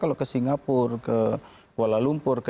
harga tertingginya untuk